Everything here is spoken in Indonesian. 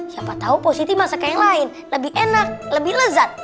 siapa tau positi masak yang lain lebih enak lebih lezat